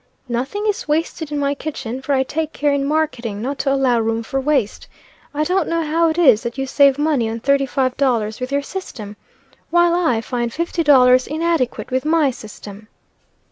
Nothing is wasted in my kitchen, for I take care in marketing, not to allow room for waste. I don't know how it is that you save money on thirty five dollars with your system, while I find fifty dollars inadequate with my system."